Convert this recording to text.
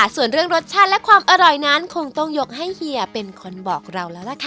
ส่วนเรื่องรสชาติและความอร่อยนั้นคงต้องยกให้เฮียเป็นคนบอกเราแล้วล่ะค่ะ